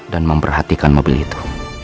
dan memperhatikan mobil itu